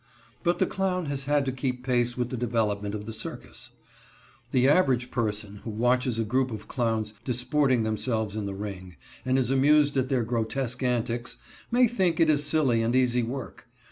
But the clown has had to keep pace with the development of the circus. The average person who watches a group of clowns disporting themselves in the ring, and is amused at their grotesque antics, may think it is silly and easy work.